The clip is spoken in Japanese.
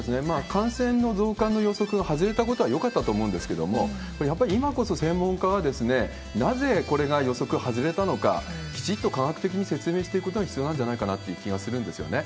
感染の増加の予測が外れたことはよかったと思うんですけれども、やっぱり今こそ、専門家はなぜこれが予測外れたのか、きちっと科学的に説明していくことが必要なんじゃないかなという気がするんですよね。